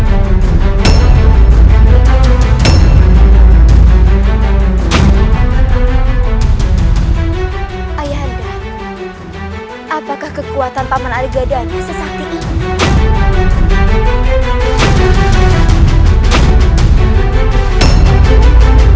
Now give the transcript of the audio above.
ayah apakah kekuatan paman agadani sesat ini